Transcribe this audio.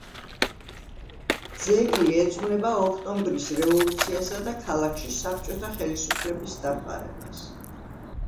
ძეგლი ეძღვნება ოქტომბრის რევოლუციასა და ქალაქში საბჭოთა ხელისუფლების დამყარებას.